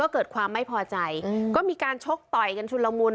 เกิดความไม่พอใจก็มีการชกต่อยกันชุนละมุน